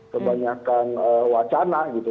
kebanyakan wacana gitu